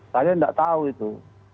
saya tidak tahu itu